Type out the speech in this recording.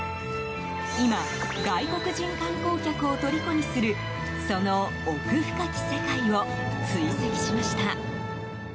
今、外国人観光客をとりこにするその奥深き世界を追跡しました。